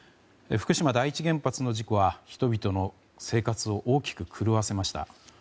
福島第一原発の事故は人々の生活を大きく狂わせました。